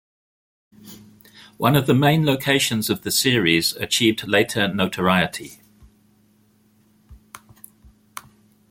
One of the main locations of the series achieved later notoriety.